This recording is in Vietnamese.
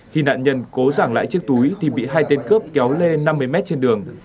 khi nạn nhân cố giảng lại chiếc túi thì bị hai tên cướp kéo lê năm mươi mét trên đường